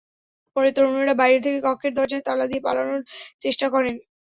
পরে তরুণেরা বাইরে থেকে কক্ষের দরজায় তালা দিয়ে পালানোর চেষ্টা করেন।